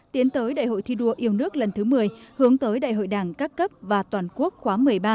tiến tới đại hội thi đua yêu nước lần thứ một mươi hướng tới đại hội đảng các cấp và toàn quốc khóa một mươi ba